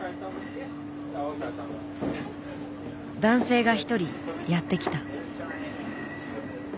男性が１人やって来た。